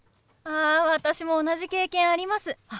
あ私も同じ経験あります。